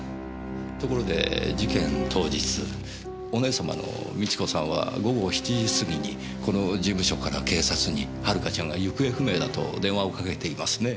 ところで事件当日お姉さまの美智子さんは午後７時過ぎにこの事務所から警察に遥ちゃんが行方不明だと電話をかけていますね。